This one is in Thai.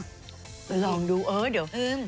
นะฮะลองดูเออเดี๋ยวอื้ม